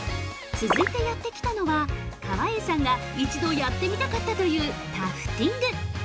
◆続いてやってきたのは川栄さんが一度やってみたかったというタフティング！